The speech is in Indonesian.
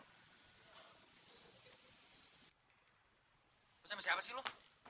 lu sama siapa sih lu